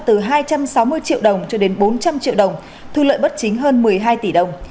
từ hai trăm sáu mươi triệu đồng cho đến bốn trăm linh triệu đồng thu lợi bất chính hơn một mươi hai tỷ đồng